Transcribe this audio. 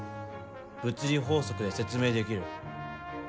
物理法則で説明できる。